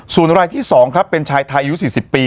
ส่วนรายที่๒ครับเป็นชายไทยอายุ๔๐ปี